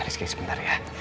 rizky sebentar ya